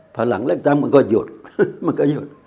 พอหลังเลือกตั้งมันก็หยุดมันก็หยุด